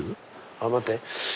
あっ待って。